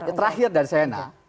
nah terakhir dari saya nana